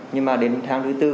nhưng mà đến tháng thứ bốn